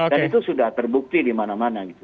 dan itu sudah terbukti di mana mana